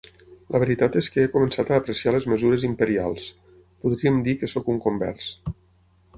La veritat és que he començat a apreciar les mesures imperials. Podríem dir que sóc un convers.